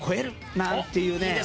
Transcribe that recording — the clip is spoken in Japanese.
なんていうね。